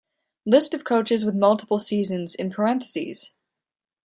List of coaches with multiple seasons in parentheses.